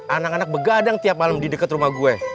anak anak begadang tiap malam di dekat rumah gue